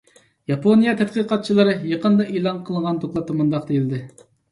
ياپونىيە تەتقىقاتچىلىرى يېقىندا ئېلان قىلغان دوكلاتتا مۇنداق دېيىلدى.